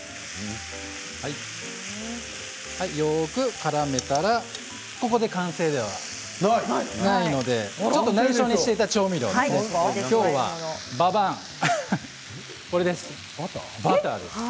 よくからめたらここで完成ではないのでちょっと内緒にしてた調味料ばばん！